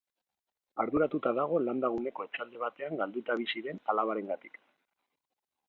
Arduratuta dago landa guneko etxalde batean galduta bizi den alabarengatik.